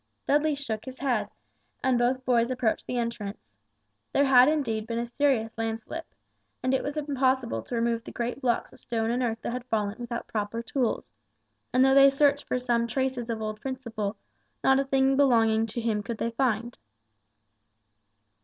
Dudley shook his head, and both boys approached the entrance. There had indeed been a serious landslip, and it was impossible to remove the great blocks of stone and earth that had fallen without proper tools; and though they searched for some traces of old Principle, not a thing belonging to him could they find.